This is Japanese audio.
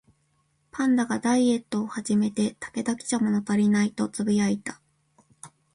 パンダがダイエットを始めて、「竹だけじゃ物足りない」とつぶやいた